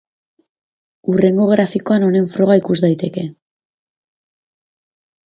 Hurrengo grafikoan honen froga ikus daiteke.